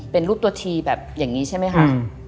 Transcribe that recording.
เป็นรูปตัวทีแบบอย่างนี้ใช่ไหมคะ